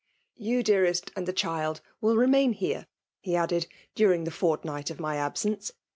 ^Yon, dearest, and the child will remain here, he added, " during the fortnight oF my absence.